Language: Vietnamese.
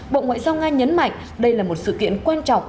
bộ ngoại giao nga nhấn mạnh đây là một sự kiện quan trọng